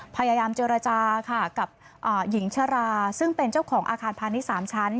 พยายามเจรจาค่ะกับหญิงชราซึ่งเป็นเจ้าของอาคารพาณิชย์๓ชั้น